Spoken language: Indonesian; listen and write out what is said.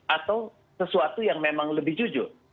atau sesuatu yang memang lebih jujur